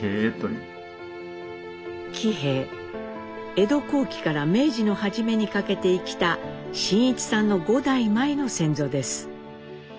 江戸後期から明治の初めにかけて生きた真一さんの５代前の先祖です。